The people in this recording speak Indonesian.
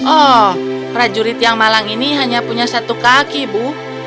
oh prajurit yang malang ini hanya punya satu kaki bu